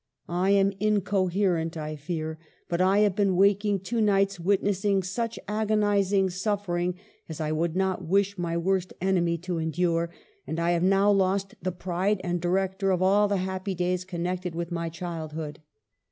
I am incoherent, I fear, but I have been waking two nights witnessing such agonizing suffering as I would not wish my worst enemy to endure ; and I have now lost the pride and director of all the happy days con nected with my childhood.